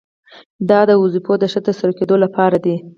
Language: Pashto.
دا د دندو د ښه ترسره کیدو لپاره دي.